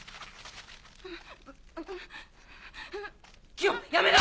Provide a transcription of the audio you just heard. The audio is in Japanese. キヨやめな！